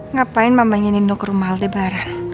ngapain mama ingin nunggu ke rumah halde baran